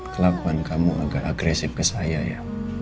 kelakuan kamu agak agresif ke saya ya